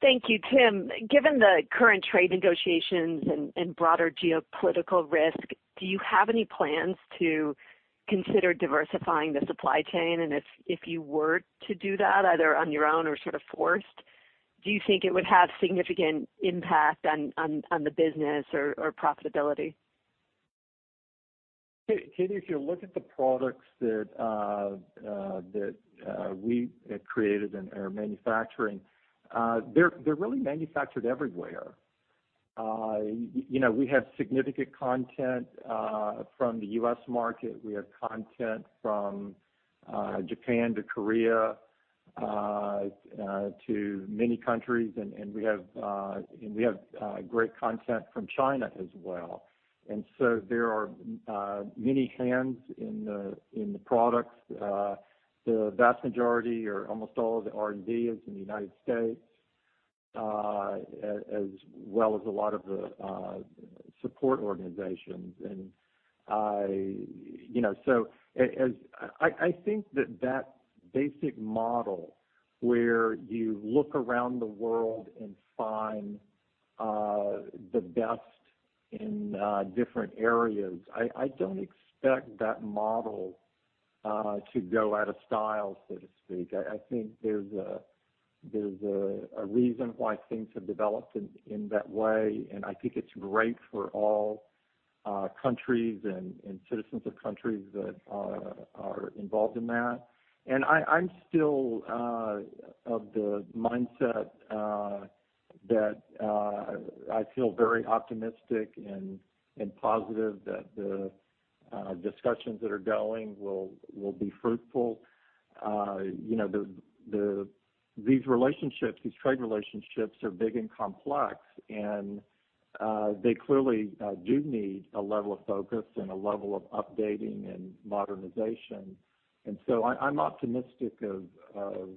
[SPEAKER 8] Thank you, Tim. Given the current trade negotiations and broader geopolitical risk, do you have any plans to consider diversifying the supply chain? If you were to do that, either on your own or sort of forced, do you think it would have significant impact on the business or profitability?
[SPEAKER 3] Katy, if you look at the products that we have created and are manufacturing, they're really manufactured everywhere. We have significant content from the U.S. market. We have content from Japan to Korea to many countries, and we have great content from China as well. There are many hands in the products. The vast majority or almost all of the R&D is in the United States, as well as a lot of the support organizations. I think that that basic model, where you look around the world and find the best in different areas, I don't expect that model to go out of style, so to speak. I think there's a reason why things have developed in that way, I think it's great for all countries and citizens of countries that are involved in that. I'm still of the mindset that I feel very optimistic and positive that the discussions that are going will be fruitful. These trade relationships are big and complex, and they clearly do need a level of focus and a level of updating and modernization. I'm optimistic that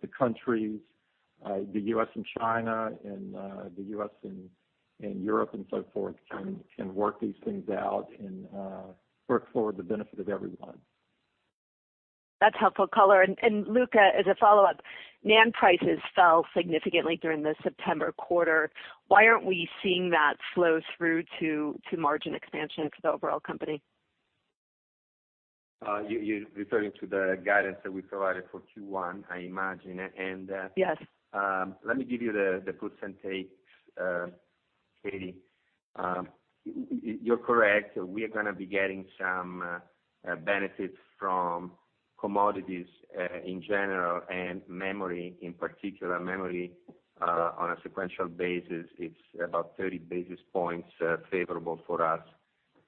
[SPEAKER 3] the countries, the U.S. and China, and the U.S. and Europe and so forth, can work these things out and work for the benefit of everyone.
[SPEAKER 8] That's helpful color. Luca, as a follow-up, NAND prices fell significantly during the September quarter. Why aren't we seeing that flow through to margin expansion for the overall company?
[SPEAKER 4] You're referring to the guidance that we provided for Q1, I imagine.
[SPEAKER 8] Yes.
[SPEAKER 4] Let me give you the puts and takes, Katy. You're correct. We are going to be getting some benefits from commodities in general and memory in particular. Memory, on a sequential basis, it's about 30 basis points favorable for us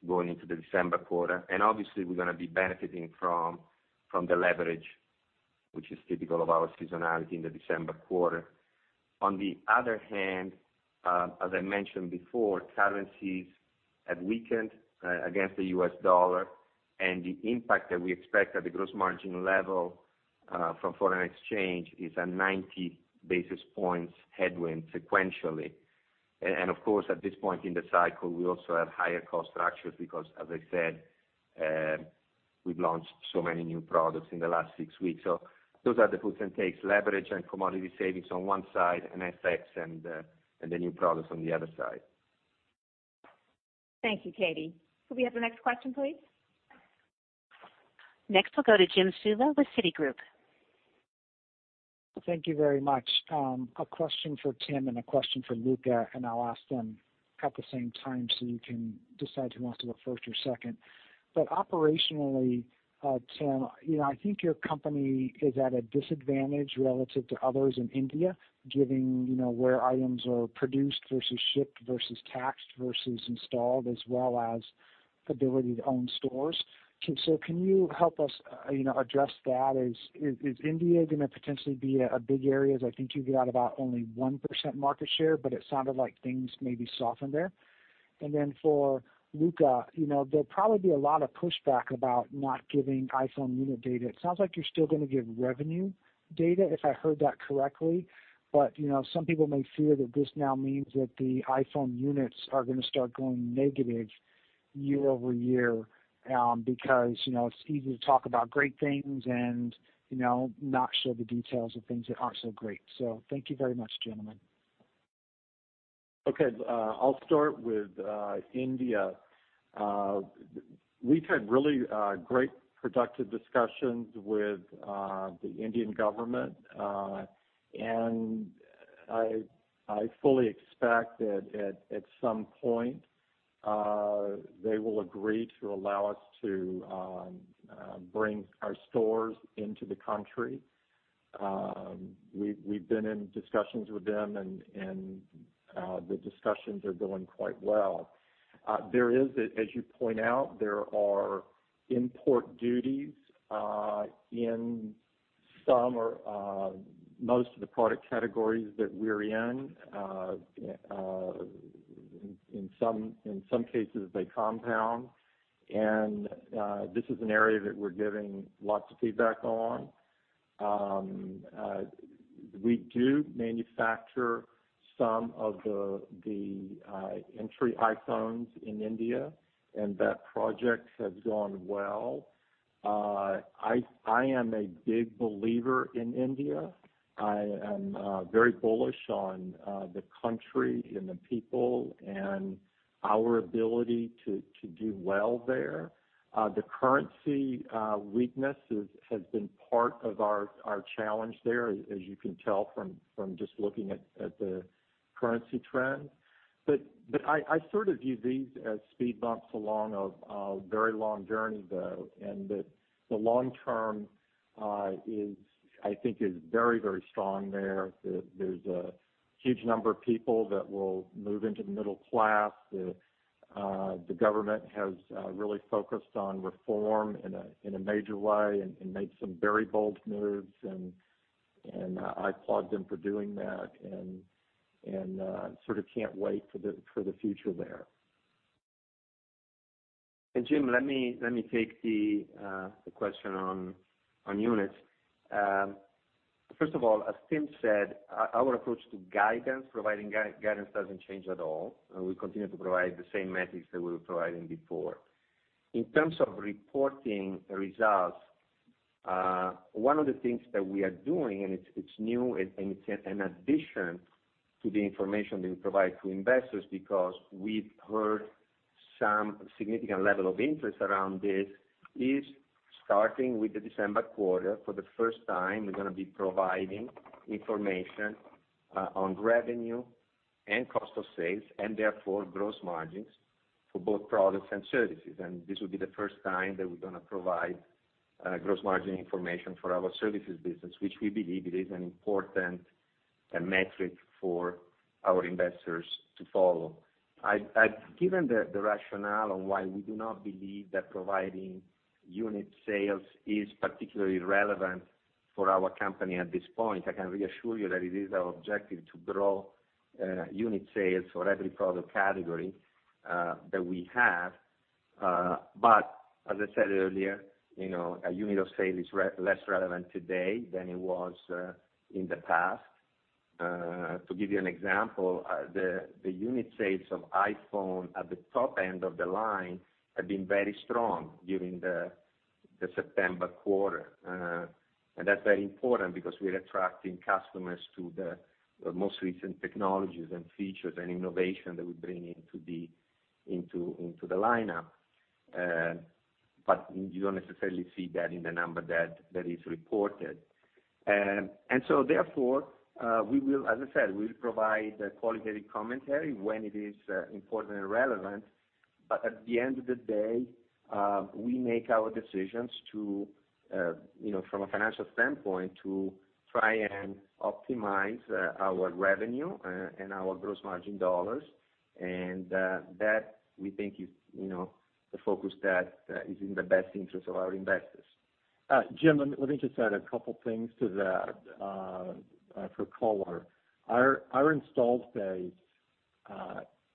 [SPEAKER 4] going into the December quarter. Obviously, we're going to be benefiting from the leverage, which is typical of our seasonality in the December quarter. On the other hand, as I mentioned before, currencies have weakened against the U.S. dollar, and the impact that we expect at the gross margin level from foreign exchange is a 90 basis points headwind sequentially. Of course, at this point in the cycle, we also have higher cost structures because, as I said, we've launched so many new products in the last six weeks. Those are the puts and takes, leverage and commodity savings on one side, and FX and the new products on the other side.
[SPEAKER 2] Thank you, Katy. Could we have the next question, please?
[SPEAKER 1] Next, we'll go to Jim Suva with Citigroup.
[SPEAKER 9] Thank you very much. A question for Tim and a question for Luca, I'll ask them at the same time so you can decide who wants to go first or second. Operationally, Tim, I think your company is at a disadvantage relative to others in India, given where items are produced versus shipped versus taxed versus installed, as well as ability to own stores. Can you help us address that? Is India going to potentially be a big area, as I think you've got about only 1% market share, but it sounded like things maybe softened there? Then for Luca, there'll probably be a lot of pushback about not giving iPhone unit data. It sounds like you're still going to give revenue data, if I heard that correctly. Some people may fear that this now means that the iPhone units are going to start going negative. Year-over-year, because it's easy to talk about great things and not share the details of things that aren't so great. Thank you very much, gentlemen.
[SPEAKER 3] Okay. I'll start with India. We've had really great, productive discussions with the Indian government, and I fully expect that at some point, they will agree to allow us to bring our stores into the country. We've been in discussions with them, and the discussions are going quite well. There is, as you point out, there are import duties in some or most of the product categories that we're in. In some cases, they compound. This is an area that we're giving lots of feedback on. We do manufacture some of the entry iPhones in India, and that project has gone well. I am a big believer in India. I am very bullish on the country and the people and our ability to do well there. The currency weakness has been part of our challenge there, as you can tell from just looking at the currency trend. I sort of view these as speed bumps along a very long journey, though, and that the long term I think is very strong there. There's a huge number of people that will move into the middle class. The government has really focused on reform in a major way and made some very bold moves, and I applaud them for doing that and sort of can't wait for the future there.
[SPEAKER 4] Jim, let me take the question on units. First of all, as Tim said, our approach to guidance, providing guidance doesn't change at all. We continue to provide the same metrics that we were providing before. In terms of reporting results, one of the things that we are doing, it's new and it's an addition to the information that we provide to investors because we've heard some significant level of interest around this, is starting with the December quarter, for the first time, we're going to be providing information on revenue and cost of sales and therefore gross margins for both products and services. This will be the first time that we're going to provide gross margin information for our services business, which we believe it is an important metric for our investors to follow. I've given the rationale on why we do not believe that providing unit sales is particularly relevant for our company at this point. I can reassure you that it is our objective to grow unit sales for every product category that we have. As I said earlier, a unit of sale is less relevant today than it was in the past. To give you an example, the unit sales of iPhone at the top end of the line have been very strong during the September quarter. That's very important because we're attracting customers to the most recent technologies and features and innovation that we bring into the lineup. You don't necessarily see that in the number that is reported. Therefore, as I said, we'll provide qualitative commentary when it is important and relevant. At the end of the day, we make our decisions from a financial standpoint, to try and optimize our revenue and our gross margin dollars. That we think is the focus that is in the best interest of our investors.
[SPEAKER 3] Jim, let me just add a couple things to that for color. Our installed base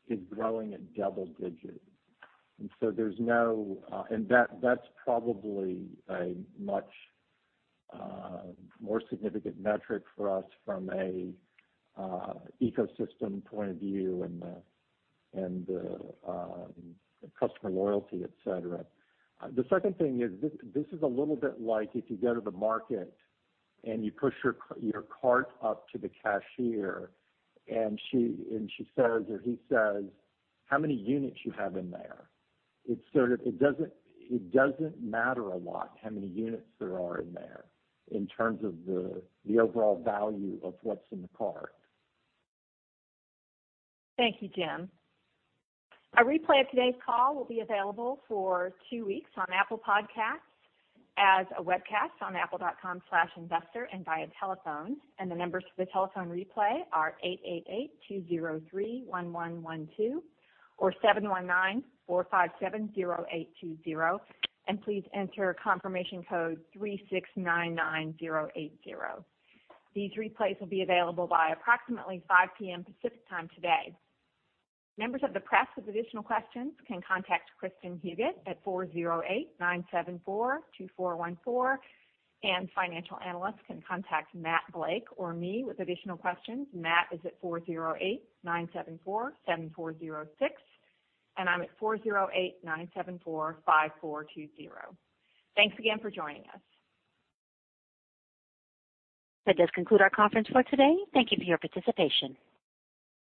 [SPEAKER 3] is growing at double digits. That's probably a much more significant metric for us from a ecosystem point of view and customer loyalty, et cetera. The second thing is this is a little bit like if you go to the market and you push your cart up to the cashier and she says or he says, "How many units you have in there?" It doesn't matter a lot how many units there are in there in terms of the overall value of what's in the cart.
[SPEAKER 2] Thank you, Jim. A replay of today's call will be available for two weeks on Apple Podcasts, as a webcast on apple.com/investor and via telephone. The numbers for the telephone replay are 888-203-1112 or 719-457-0820. Please enter confirmation code 3699080. These replays will be available by approximately 5:00 P.M. Pacific Time today. Members of the press with additional questions can contact Kristin Huguet at 408-974-2414. Financial analysts can contact Matt Blake or me with additional questions. Matt is at 408-974-7406. I'm at 408-974-5420. Thanks again for joining us.
[SPEAKER 1] That does conclude our conference for today. Thank you for your participation.